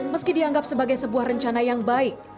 meski dianggap sebagai sebuah rencana yang baik